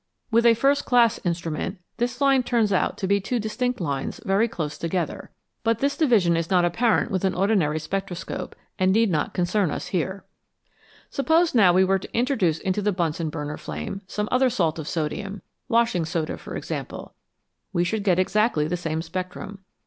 With a first class instrument, this line turns out to be two distinct lines very close together, but this 207 CHEMISTRY OF THE STARS division is not apparent with an ordinary spectroscope, and need not concern us here. Suppose now we were to introduce into the Bunsen burner flame some other salt of sodium washing soda, for example we should get exactly the same spectrum.